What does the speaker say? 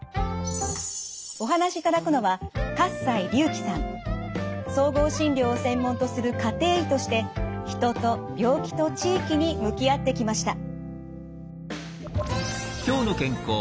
お話しいただくのは総合診療を専門とする家庭医として人と病気と地域に向き合ってきました。